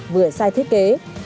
vừa sai thiết kế